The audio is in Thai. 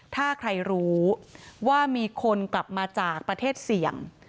ถ้าใครรู้ว่ามีคนกลับมาจากประเทศเสี่ยง